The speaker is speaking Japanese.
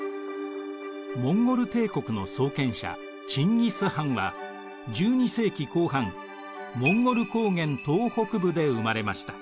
モンゴル帝国の創建者チンギス・ハンは１２世紀後半モンゴル高原東北部で生まれました。